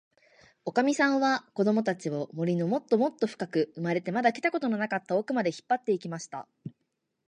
おかみさんは、こどもたちを、森のもっともっとふかく、生まれてまだ来たことのなかったおくまで、引っぱって行きました。